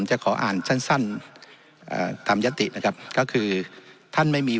จะขออ่านสั้นสั้นตามยตินะครับก็คือท่านไม่มี